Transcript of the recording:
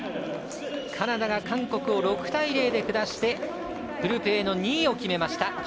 カナダが韓国を６対０で下してグループＡの２位を決めました。